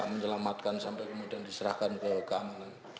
menyelamatkan sampai kemudian diserahkan ke keamanan